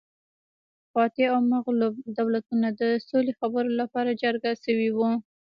فاتح او مغلوب دولتونه د سولې خبرو لپاره جرګه شوي وو